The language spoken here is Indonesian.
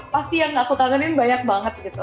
pasti yang aku kangenin banyak banget gitu